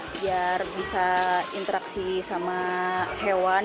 biar bisa interaksi sama hewan